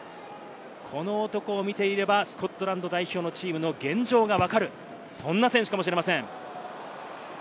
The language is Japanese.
この男を見ていればスコットランド代表のチームの現状が分かる、そんな選手かもしれません。